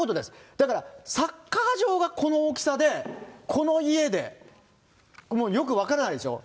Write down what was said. だから、サッカー場がこの大きさで、この家で、もうよく分からないでしょう。